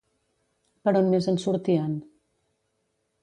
Per on més en sortien?